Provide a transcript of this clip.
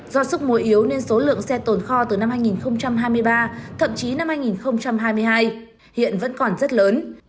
do sức mùa yếu nên số lượng xe tồn kho từ năm hai nghìn hai mươi ba thậm chí năm hai nghìn hai mươi hai hiện vẫn còn rất lớn